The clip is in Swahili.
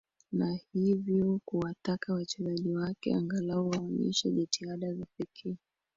na hivyo kuwataka wachezaji wake angalao waonyeshe jitihada za pekee